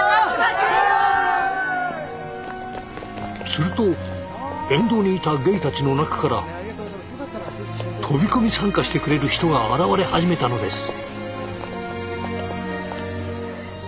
すると沿道にいたゲイたちの中から飛び込み参加してくれる人が現れ始めたのです。